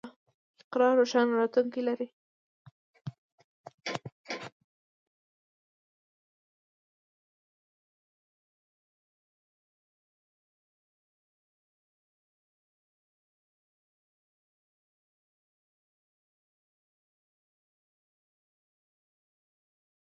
د واورې سپینو او پر ځمکه راپرېوتونکو غټیو ته مو کتل.